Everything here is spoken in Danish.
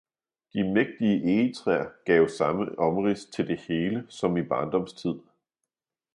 de mægtige Egetræer gave samme Omrids til det Hele som i Barndomstid.